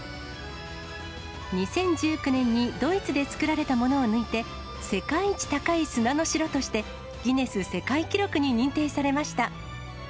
２０１９年にドイツで作られたものを抜いて、世界一高い砂の城として、ギネス世界記録に認定されました。